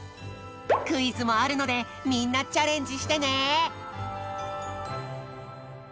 クイズもあるのでみんなチャレンジしてね！